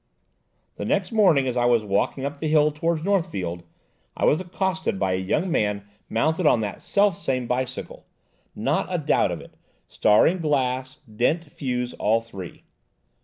The next morning as I was walking up the hill towards Northfield, I was accosted by a young man mounted on that self same bicycle–not a doubt of it–star in glass, dent, fuse, all three."